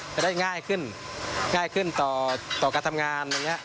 จะได้ง่ายขึ้นง่ายขึ้นต่อการทำงาน